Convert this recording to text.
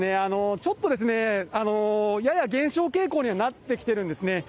ちょっとですね、やや減少傾向にはなってきてるんですね。